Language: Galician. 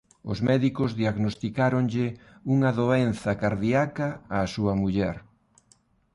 Os médicos diagnosticáronlle unha doenza cardíaca á súa muller.